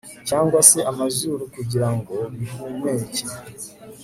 cyangwa se amazuru kugira ngo bihumeke